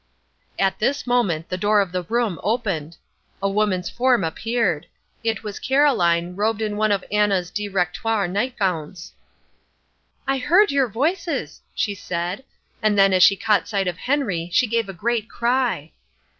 At this moment the door of the room opened. A woman's form appeared. It was Caroline, robed in one of Anna's directoire nightgowns. "I heard your voices," she said, and then, as she caught sight of Henry, she gave a great cry.